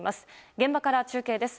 現場から中継です。